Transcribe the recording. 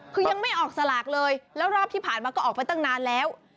คือยังไม่ออกสลากเลยแล้วรอบที่ผ่านมาก็ออกไปตั้งนานแล้ว